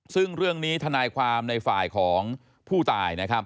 ซึ่งเรื่องนี้ทนายความในฝ่ายของผู้ตายนะครับ